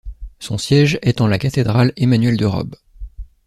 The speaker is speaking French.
Son siège est en la cathédrale Emmanuel de Robe.